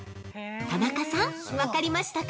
◆田中さん、分かりましたか？